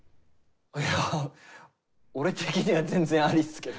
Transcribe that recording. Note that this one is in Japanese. いや俺的には全然ありっすけど。